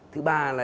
thứ ba là